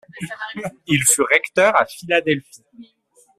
Il fut recteur à Philadelphie.